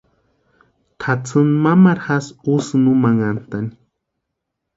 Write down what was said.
Tʼatsïni mamaru jásï úsïni úmanhantʼani.